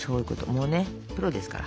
もうねプロですから。